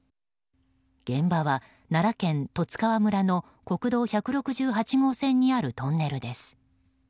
現場は奈良県十津川村の国道１６８号線にあるトンネルです。